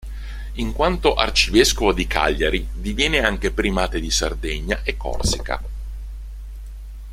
In quanto Arcivescovo di Cagliari diviene anche Primate di Sardegna e Corsica.